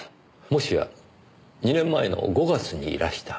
もしや２年前の５月にいらした。